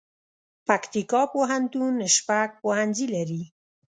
پکتيکا پوهنتون شپږ پوهنځي لري